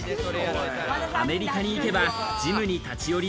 アメリカに行けばジムに立ち寄り、